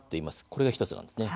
これが１つなんですね。